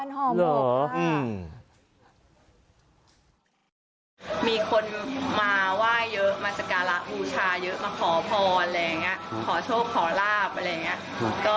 มีคนมาไหว้เยอะมาสการะบูชาเยอะมาขอพรอะไรอย่างนี้ขอโชคขอลาบอะไรอย่างนี้